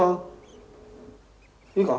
いいか？